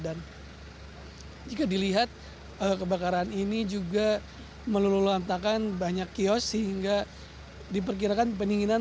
dan jika dilihat kebakaran ini juga melulu lantakan banyak kiosk sehingga diperkirakan peninginan